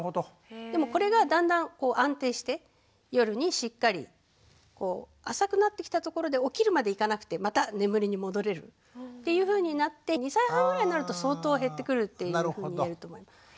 でもこれがだんだん安定して夜にしっかり浅くなってきたところで起きるまでいかなくてまた眠りに戻れるというふうになって２歳半ぐらいになると相当減ってくるっていうふうに言えると思います。